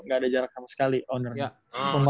gak ada jarak sama sekali ownernya